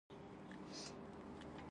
ځینې غرونه په ګڼو ونو او بوټو پوښلي دي.